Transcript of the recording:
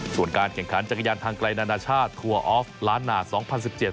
ส่วนการแข่งขันจักรยานทางไกลนานาชาติทัวร์ออฟล้านนาสองพันสิบเจ็ด